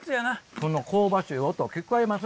この香ばしい音聞こえます？